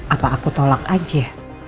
apa aku tolak aja